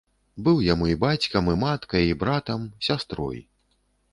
Быў яму і бацькам, і маткай, і братам, сястрой.